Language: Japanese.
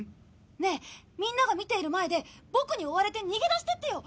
ねえみんなが見ている前でボクに追われて逃げ出していってよ。